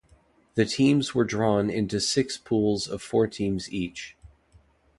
The teams were drawn into six pools of four teams each.